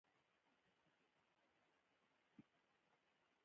یو غړی خوږ شي څه کیږي؟